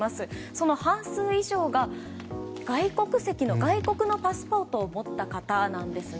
その半数以上が外国のパスポートを持った方なんです。